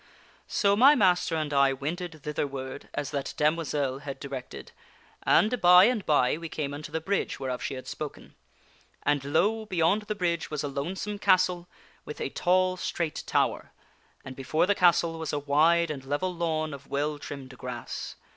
" So my master and I wended thitherward as that damoiselle had di rected, and, by and by, we came unto the bridge'whereof she had spoken. And, lo! beyond the bridge was a lonesome castle with a tall straight tower, and before the castle was a wide and level lawn of well trimmed grass.